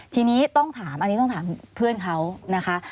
ทีนี้ต้องถามอันนี้ต้องถามเพื่อนเขานะคะ